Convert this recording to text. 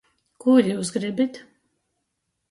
Kū jius gribit?